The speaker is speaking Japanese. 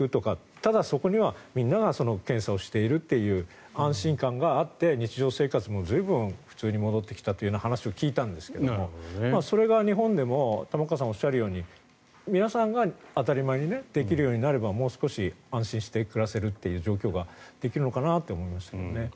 ただ、そこにはみんなが検査をしているという安心感があって日常生活も随分普通に戻ってきたという話を聞いたんですがそれが日本でも玉川さんがおっしゃるように皆さんが当たり前にできるようになればもう少し安心して暮らせるという状況ができるのかなと思いましたけどね。